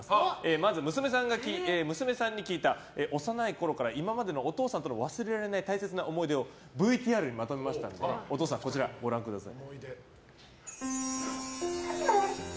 まず、娘さんに聞いた幼いころから今までのお父さんとの忘れられない今までの思い出をＶＴＲにまとめましたのでお父さん、ご覧ください。